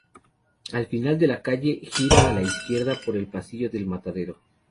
Al final de la calle, gira a la izquierda por el Pasillo del Matadero.